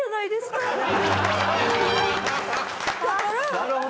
なるほど！